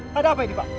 pak ada apa ini pak